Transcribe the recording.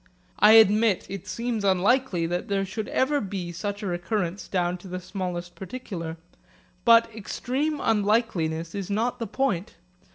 I admit it seems unlikely that there should ever be such a recurrence down to the smallest particular. But extreme unlikeliness is not the point.